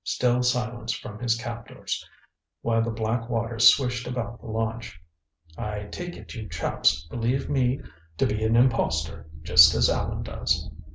Still silence from his captors, while the black waters swished about the launch. "I take it you chaps believe me to be an impostor, just as Allan does.